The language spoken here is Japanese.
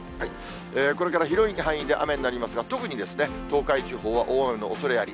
これから広い範囲で雨になりますが、特に、東海地方は大雨のおそれあり。